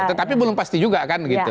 tetapi belum pasti juga kan gitu